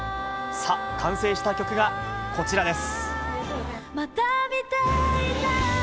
さあ、完成した曲がこちらです。